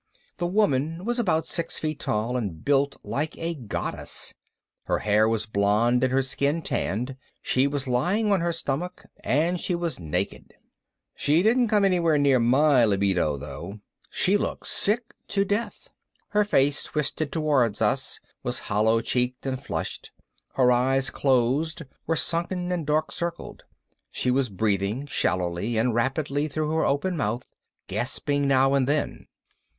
The woman was about six feet tall and built like a goddess. Her hair was blonde and her skin tanned. She was lying on her stomach and she was naked. She didn't come anywhere near my libido, though. She looked sick to death. Her face, twisted towards us, was hollow cheeked and flushed. Her eyes, closed, were sunken and dark circled. She was breathing shallowly and rapidly through her open mouth, gasping now and then.